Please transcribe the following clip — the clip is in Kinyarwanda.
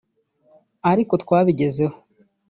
ariko twabigezeho